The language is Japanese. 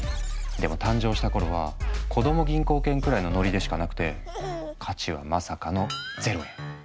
でも誕生した頃は「子供銀行券」くらいのノリでしかなくて価値はまさかの０円。